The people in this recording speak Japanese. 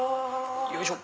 よいしょ。